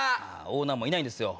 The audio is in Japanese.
オーナーもいないんですよ。